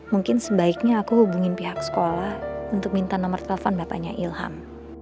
mungkin sebaiknya aku hubungin pihak sekolah untuk minta nomor telepon bapaknya ilham